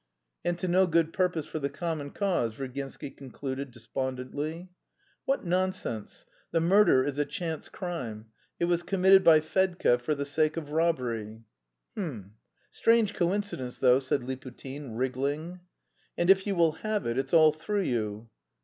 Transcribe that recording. "And to no good purpose for the common cause," Virginsky concluded despondently. "What nonsense! The murder is a chance crime; it was committed by Fedka for the sake of robbery." "H'm! Strange coincidence, though," said Liputin, wriggling. "And if you will have it, it's all through you."